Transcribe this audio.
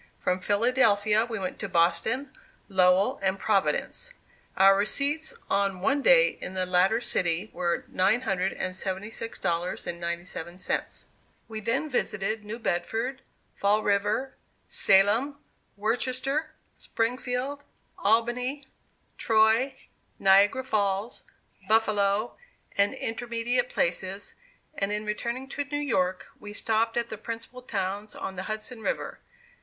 From Philadelphia we went to Boston, Lowell, and Providence. Our receipts on one day in the latter city were $976.97. We then visited New Bedford, Fall River, Salem, Worcester, Springfield, Albany, Troy, Niagara Falls, Buffalo, and intermediate places, and in returning to New York we stopped at the principal towns on the Hudson River.